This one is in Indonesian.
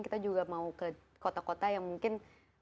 kita juga mau ke kota kota yang mungkin